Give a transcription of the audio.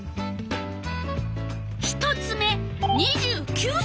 １つ目２９ｃｍ。